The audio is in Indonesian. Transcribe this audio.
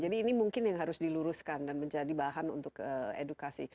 jadi ini mungkin yang harus diluruskan dan menjadi bahan untuk edukasi